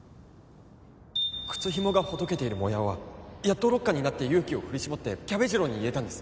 靴ヒモがほどけているモヤオはやっと６巻になって勇気を振り絞ってキャベ次郎に言えたんです。